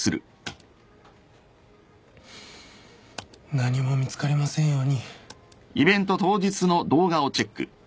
何も見つかりませんように。